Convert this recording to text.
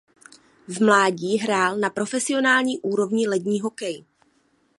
V mládí hrál na profesionální úrovni lední hokej.